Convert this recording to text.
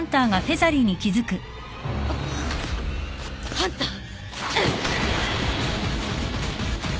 ハンター！